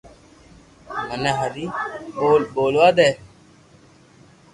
مني ھري ٻول ٻولوا دي